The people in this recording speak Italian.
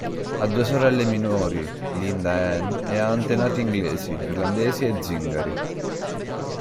Ha due sorelle minori, Linda e Anne, e ha antenati inglesi, irlandesi e zingari.